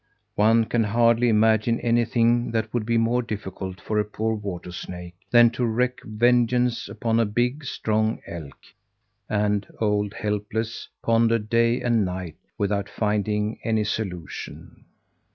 One can hardly imagine anything that would be more difficult for a poor water snake than to wreak vengeance upon a big, strong elk; and old Helpless pondered day and night without finding any solution.